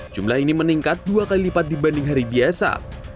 jumlah ini meningkat dua kali lipat dibanding hari biasa